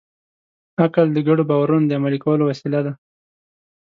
عقل د ګډو باورونو د عملي کولو وسیله ده.